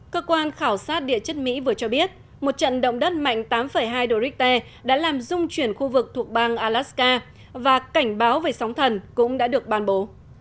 cơ quan khảo sát địa chất mỹ vừa cho biết một trận động đất mạnh tám hai độ richter đã làm dung chuyển khu vực thuộc bang alaska và cảnh báo về sóng thần cũng đã được ban bố